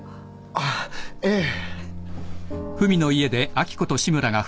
あっええ。